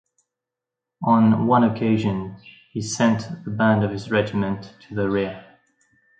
On one occasion he sent the band of his regiment to the rear.